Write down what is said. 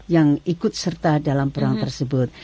yang ikut serta dalam perang tersebut